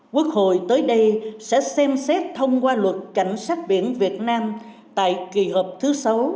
quốc hội tới đây sẽ xem xét thông qua luật cảnh sát biển việt nam tại kỳ họp thứ sáu